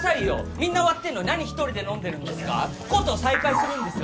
みんな終わってんのに何１人で飲んでるんです？